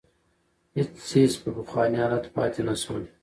هېڅ څېز په پخواني حالت پاتې نه شول.